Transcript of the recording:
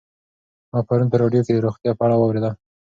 ما پرون په راډیو کې د روغتیا په اړه واورېدل.